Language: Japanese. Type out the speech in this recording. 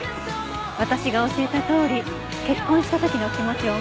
私が教えたとおり結婚した時の気持ちを思い出したの？